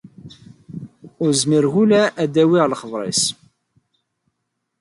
Ur zmireɣ ara ad lawiɣ lekber-ines.